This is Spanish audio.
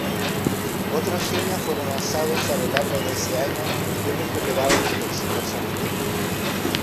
Otros simios fueron lanzados a lo largo de ese año y recuperados exitosamente.